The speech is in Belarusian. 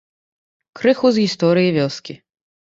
Крыху з гісторыі вёскі.